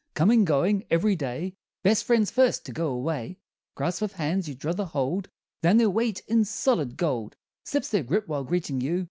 Comin' goin' every day Best friends first to go away Grasp of hands you druther hold Than their weight in solid gold, Slips their grip while greetin' you.